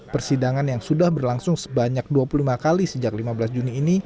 persidangan yang sudah berlangsung sebanyak dua puluh lima kali sejak lima belas juni ini